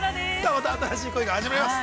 ◆また新しい恋が始まります。